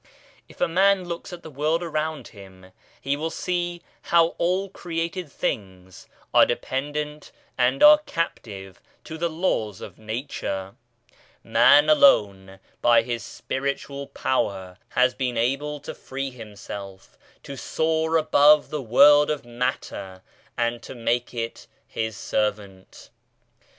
If a man looks at the world around him, he will see how all created things are dependent and are captive to the laws of Nature. Man alone, by his spiritual power has been able to free himself, to soar above the world of matter and to make it his servant.